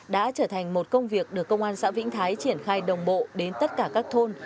đã trở thành một công việc được công an xã vĩnh thái triển khai đồng bộ đến tất cả các thôn